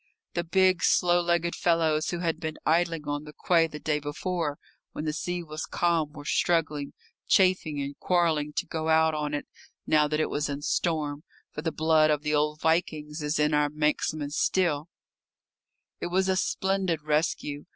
The big, slow legged fellows who had been idling on the quay the day before when the sea was calm were struggling, chafing, and quarrelling to go out on it now that it was in storm, for the blood of the old Vikings is in our Manxmen still. It was a splendid rescue.